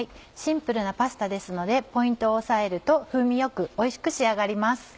シンプルなパスタですのでポイントを押さえると風味よくおいしく仕上がります。